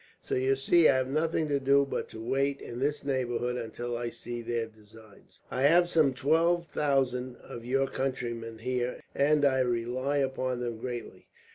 So you see, I have nothing to do but to wait in this neighbourhood until I see their designs. "I have some twelve thousand of your countrymen here, and I rely upon them greatly.